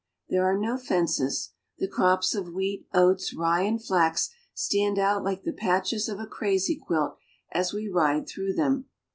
There are no fences. The crops of wheat, oats, rye, and flax stand out like the patches of a crazy quilt as we ride through them.